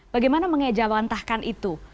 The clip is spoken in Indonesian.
bagaimana mengejawantahkan itu